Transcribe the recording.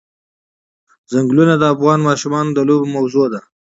چنګلونه د افغان ماشومانو د لوبو موضوع ده.